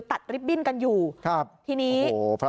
ตัดริบิ้นกันอยู่ทีนี้ครับโอ้โห